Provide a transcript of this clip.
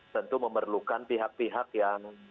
tentu memerlukan pihak pihak yang